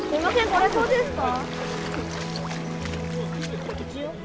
これそうですか？